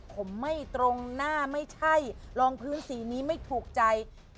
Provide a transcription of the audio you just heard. ผมไม่ตรงหน้าไม่ใช่รองพื้นสีนี้ไม่ถูกใจ